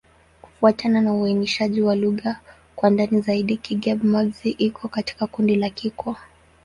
Kufuatana na uainishaji wa lugha kwa ndani zaidi, Kigbe-Maxi iko katika kundi la Kikwa.